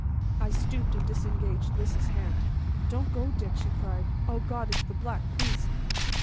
I stooped and disengaged Lys's hand. "Don't go, Dick!" she cried. "O God, it's the Black Priest!"